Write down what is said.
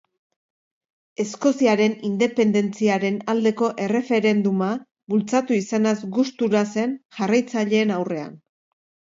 Eskoziaren independentziaren aldeko erreferenduma bultzatu izanaz gustura zen jarraitzaileen aurrean.